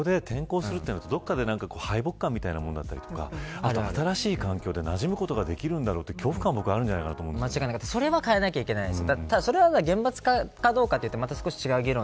そこで転校するというのはどこかで敗北感みたいなものだったりとか新しい環境でなじむことができるんだろうかという恐怖感もそれは変えなければいけないです。